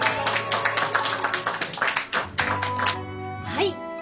はい。